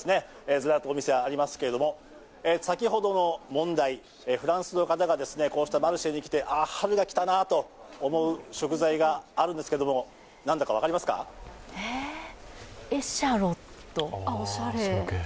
ずらっとお店がありますけれども、先ほどの問題、フランスの方がこうしたマルシェに来てあ、春が来たなと思う食材があるんですけども、エシャロット？